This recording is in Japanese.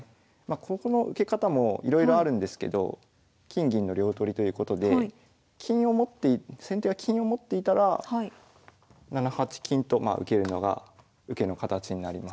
ここの受け方もいろいろあるんですけど金銀の両取りということで先手が金を持っていたら７八金と受けるのが受けの形になります。